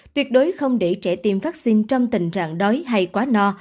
tuyệt đối không để trẻ tiêm vaccine trong tình trạng đói hay quá no